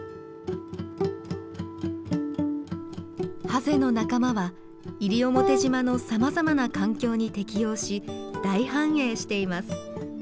ハゼの仲間は西表島のさまざまな環境に適応し大繁栄しています。